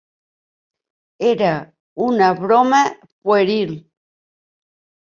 Era una broma pueril.